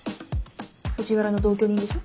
藤原の同居人でしょ？